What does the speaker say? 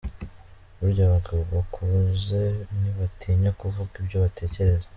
Burya abagabo bakuze ntibatinya kuvuga ibyo batekereza.